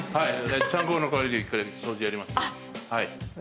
ちゃんこの代わりで１回掃除やります。